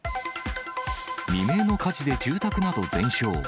未明の火事で住宅など全焼。